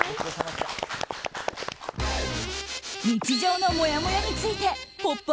日常のもやもやについて「ポップＵＰ！」